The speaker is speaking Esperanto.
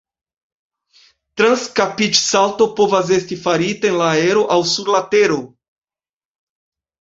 Transkapiĝsalto povas esti farita en la aero aŭ sur la tero.